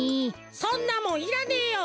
そんなもんいらねえよ。